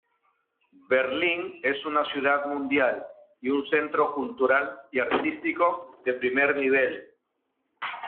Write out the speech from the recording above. Berlín es una ciudad mundial y un centro cultural y artístico de primer nivel.